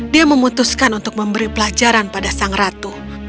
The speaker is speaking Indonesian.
dia memutuskan untuk memberi pelajaran pada sang ratu